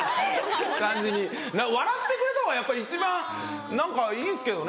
笑ってくれたほうがやっぱり一番何かいいっすけどね。